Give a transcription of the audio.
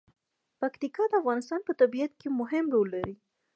پکتیکا د افغانستان په طبیعت کې مهم رول لري.